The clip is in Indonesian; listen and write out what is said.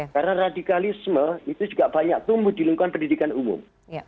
karena radikalisme itu juga banyak tumbuh di lingkungan pendidikan umum